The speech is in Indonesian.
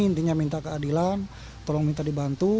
intinya minta keadilan tolong minta dibantu